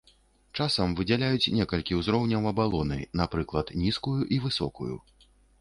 Часам выдзяляюць некалькі ўзроўняў абалоны, напрыклад нізкую і высокую.